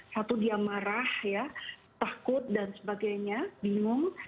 satu dia marah ya takut dan sebagainya bingung